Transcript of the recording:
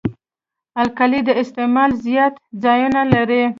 القلي د استعمال زیات ځایونه لري.